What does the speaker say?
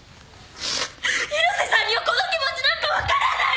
広瀬さんにはこの気持ちなんか分からない！